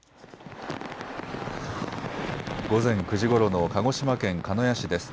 午前９時ごろの鹿児島県鹿屋市です。